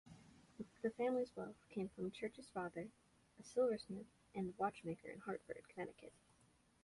The family's wealth came from Church's father, a silversmith and watchmaker in Hartford, Connecticut.